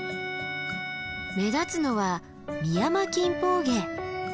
目立つのはミヤマキンポウゲ。